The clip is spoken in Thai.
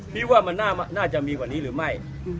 พี่ว่ามันน่าจะมีกว่านี้หรือไม่